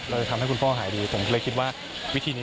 จะทำให้คุณพ่อหายดีผมก็เลยคิดว่าวิธีนี้